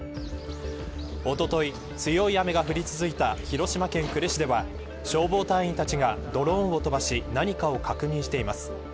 おととい、強い雨が降り続いた広島県呉市では消防隊員たちがドローンを飛ばし何かを確認しています。